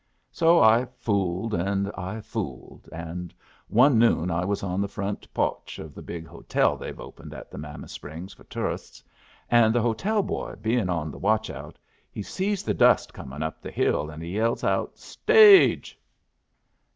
"So I fooled and I fooled. And one noon I was on the front poach of the big hotel they have opened at the Mammoth Springs for tourists, and the hotel kid, bein' on the watchout, he sees the dust comin' up the hill, and he yells out, 'Stage!'